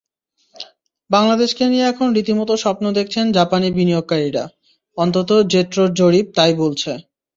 বাংলাদেশকে নিয়ে এখন রীতিমতো স্বপ্ন দেখছেন জাপানি বিনিয়োগকারীরা, অন্তত জেট্রোর জরিপ তা-ই বলছে।